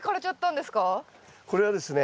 これはですね